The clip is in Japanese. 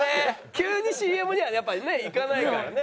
急にＣＭにはやっぱりねいかないからね。